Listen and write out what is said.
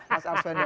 mas ars fendi